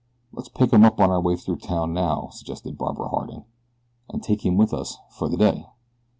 "Let's pick him up on our way through town now," suggested Barbara Harding, "and take him with us for the day.